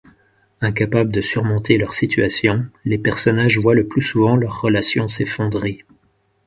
Incapables de surmonter leur situation, les personnages voient le plus souvent leurs relations s'effondrer.